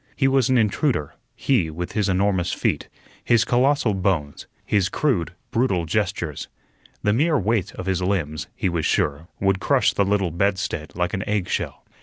He was an intruder; he, with his enormous feet, his colossal bones, his crude, brutal gestures. The mere weight of his limbs, he was sure, would crush the little bed stead like an eggshell.